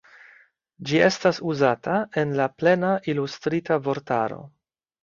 Ĝi estas uzata en la Plena Ilustrita Vortaro.